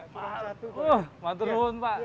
pak maturun pak